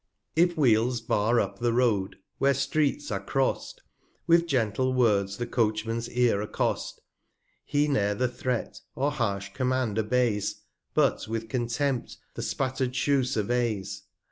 If Wheels bar up the Road, where Streets are crost, With gentle Words the Coachman's Ear accost: 166 He ne'er the Threat, or harsh Command obeys, But with Contempt the spatter'd Shoe surveys.